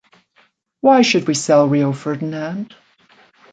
Why should we sell Rio Ferdinand?